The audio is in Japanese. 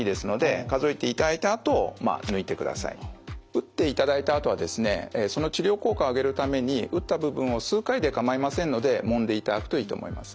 打っていただいたあとはですねその治療効果を上げるために打った部分を数回で構いませんのでもんでいただくといいと思います。